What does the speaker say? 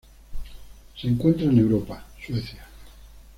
Se encuentra en Europa: Suecia.